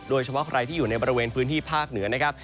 โดยเฉพาะใครที่อยู่ในบริเวณพื้นที่ภาคเหนือนะครับ